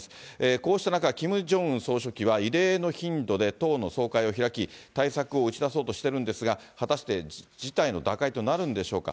こうした中、キム・ジョンウン総書記は異例の頻度で党の総会を開き、対策を打ち出そうとしてるんですが、果たして事態の打開となるんでしょうか。